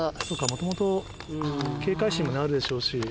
そうかもともと警戒心もあるでしょうし。